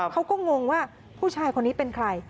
งงว่าผู้ชายคนนี้เป็นใคร